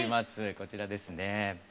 こちらですね。